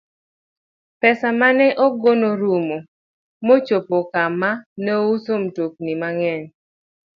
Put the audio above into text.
Pesa ma ne en go norumo mochopo kama nouso mtokni mang'eny.